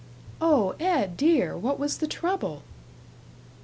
"Oh, Ed dear, what was the trouble?"